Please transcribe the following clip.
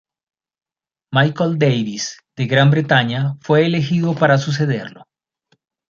Michael Davies, de Gran Bretaña, fue elegido para sucederlo.